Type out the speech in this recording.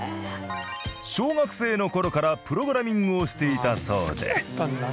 小学生の頃からプログラミングをしていたそうで。